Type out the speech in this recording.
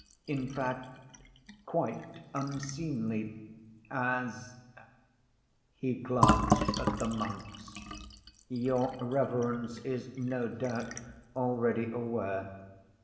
in fact, quite unseemly ... as"—he glanced at the monks—"your reverence is, no doubt, already aware.